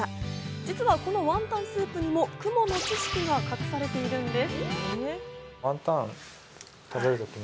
実はこのワンタンスープにも雲の知識が隠されているんです。